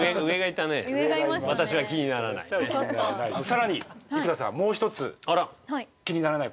さらに生田さんもう一つ気にならないことがあると。